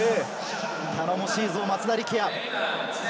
頼もしいぞ、松田力也。